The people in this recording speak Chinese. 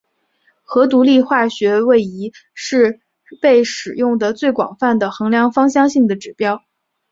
核独立化学位移是被使用得最广泛的衡量芳香性的指标。